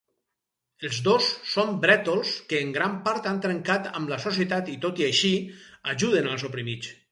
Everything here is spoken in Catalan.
Els dos són brètols que en gran part han trencat amb la societat i tot i així, ajuden als oprimits.